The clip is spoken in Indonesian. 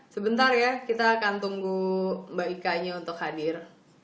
sebentar ya kita akan tunggu mba ika nya untuk hadir